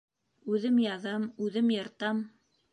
Үҙем яҙам, үҙем йыртам.